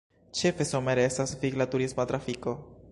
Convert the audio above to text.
Ĉefe somere estas vigla turista trafiko.